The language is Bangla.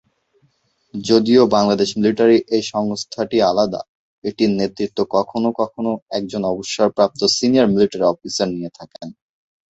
যদিও বাংলাদেশ মিলিটারি থেকে এ সংস্থাটি আলাদা, এটির নেতৃত্ব কখনও কখনও একজন অবসরপ্রাপ্ত সিনিয়র মিলিটারি অফিসার দিয়ে থাকেন।